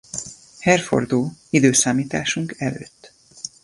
Herefordot i.e.